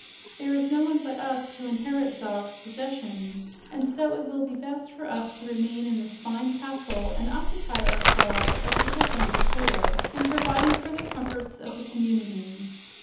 There is no one but us to inherit Zog's possessions, and so it will be best for us to remain in this fine castle and occupy ourselves as we have done before, in providing for the comforts of the community.